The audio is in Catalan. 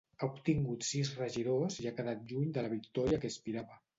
Ha obtingut sis regidors i ha quedat lluny de la victòria a què aspirava.